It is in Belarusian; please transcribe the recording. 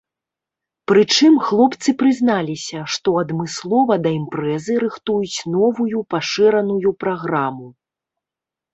Прычым, хлопцы прызналіся, што адмыслова да імпрэзы рыхтуюць новую пашыраную праграму.